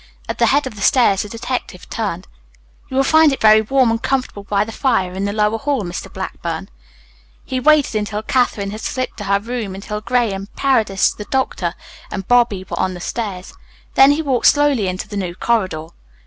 At the head of the stairs the detective turned. "You will find it very warm and comfortable by the fire in the lower hall, Mr. Blackburn." He waited until Katherine had slipped to her room until Graham, Paredes, the doctor, and Bobby were on the stairs. Then he walked slowly into the new corridor.